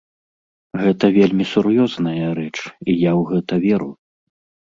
Гэта вельмі сур'ёзная рэч, і я ў гэта веру.